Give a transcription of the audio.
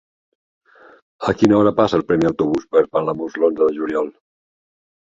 A quina hora passa el primer autobús per Palamós l'onze de juliol?